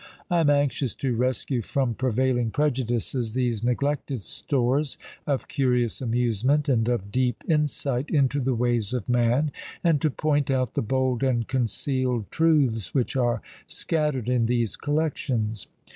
I am anxious to rescue from prevailing prejudices these neglected stores of curious amusement, and of deep insight into the ways of man, and to point out the bold and concealed truths which are scattered in these collections.